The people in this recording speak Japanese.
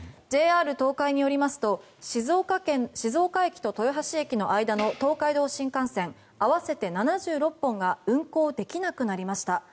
ＪＲ東海によりますと静岡駅と豊橋駅の間の東海道新幹線、合わせて７６本が運行できなくなりました。